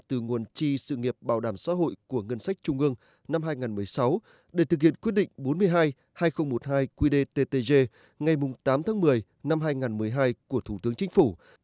từ nguồn chi sự nghiệp bảo đảm xã hội của ngân sách trung ương năm hai nghìn một mươi sáu để thực hiện quyết định bốn mươi hai hai nghìn một mươi hai qdttg ngày tám tháng một mươi năm hai nghìn một mươi hai của thủ tướng chính phủ